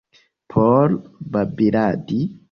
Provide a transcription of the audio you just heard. Por babiladi?